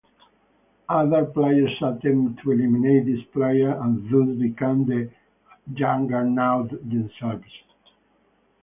Other players attempt to eliminate this player and thus become the juggernaut themselves.